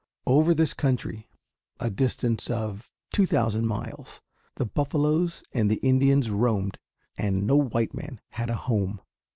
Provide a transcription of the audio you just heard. Over this country a distance of two thousand miles the buffaloes and the Indians roamed, and no white man had a home.